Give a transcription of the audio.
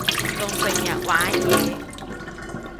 仲成日玩嘢